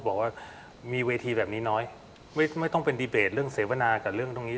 บอกว่ามีเวทีแบบนี้น้อยไม่ต้องเป็นดีเบตเรื่องเสวนากับเรื่องตรงนี้